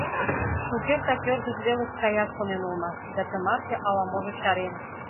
Шукертак ӧрдыж велыш каяш шонен улмаш, да тымарте ала-можо чарен.